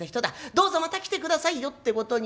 『どうぞまた来てくださいよ』ってことになる。